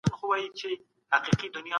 پښتو ژبه د میړنيو او توریالیو خلکو ژبه ده